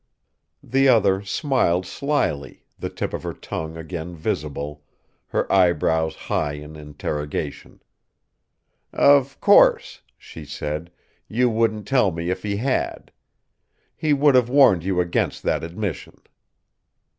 The other smiled slyly, the tip of her tongue again visible, her eyebrows high in interrogation. "Of course," she said; "you wouldn't tell me if he had. He would have warned you against that admission."